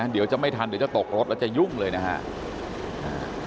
เดี๋ยวจะไม่ทันหรือจะตกรถอาจจะยุ่งเลยนะครับ